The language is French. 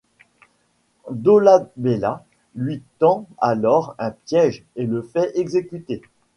Dolabella lui tend alors un piège et le fait exécuter.